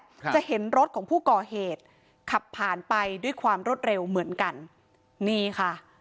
ครับจะเห็นรถของผู้ก่อเหตุขับผ่านไปด้วยความรวดเร็วเหมือนกันนี่ค่ะ